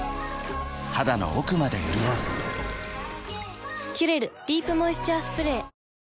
肌の奥まで潤う「キュレルディープモイスチャースプレー」